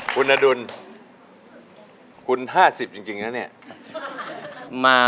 คุณอดุลคุณ๕๐จริงแล้วเนี่ย